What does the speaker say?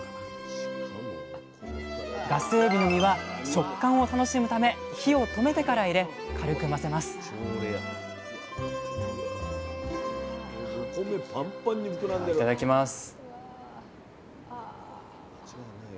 ガスエビの身は食感を楽しむため火を止めてから入れ軽く混ぜますではいただきます。